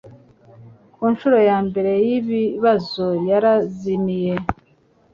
Ku ncuro ya mbere y'ibibazo, yarazimiye.